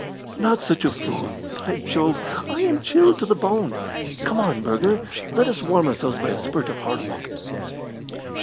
"Not such a fool! By Jove, I am chilled to the bone! Come on, Burger, let us warm ourselves by a spurt of hard walking."